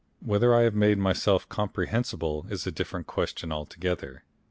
Whether I have made myself comprehensible is a different question altogether.